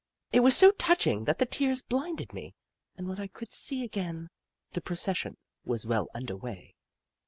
It was so touching that the tears blinded me, and when I could see again, the procession was well under way.